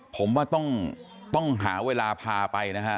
ผมว่าต้องหาเวลาพาไปนะฮะ